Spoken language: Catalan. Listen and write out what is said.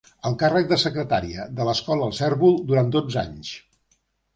El càrrec de secretària de l'escola "El Cérvol" durant dotze anys.